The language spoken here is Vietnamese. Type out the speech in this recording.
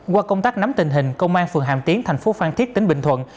qua công tác nắm tình hình công an phường hàm tiến thành phố phan thiết tỉnh bình thuận